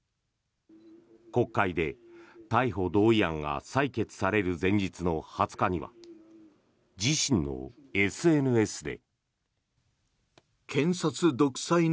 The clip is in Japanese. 国会で逮捕同意案が採決される前日の２０日には自身のＳＮＳで。